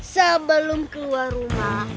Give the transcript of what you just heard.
sebelum keluar rumah